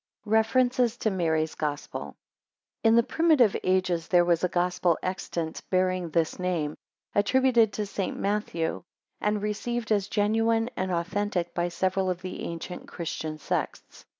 REFERENCES TO MARY'S GOSPEL [In the primitive ages there was a Gospel extant bearing this name, attributed to St. Matthew, and received as genuine and authentic by several of the ancient Christian sects.